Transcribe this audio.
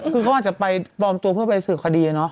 คือเขาอาจจะไปปลอมตัวเพื่อไปสืบคดี